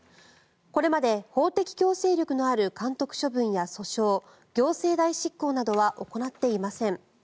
これまで法的強制力のある監督処分や訴訟行政代執行などは行っていません。